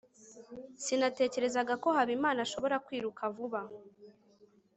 sinatekerezaga ko habimana ashobora kwiruka vuba